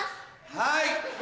はい！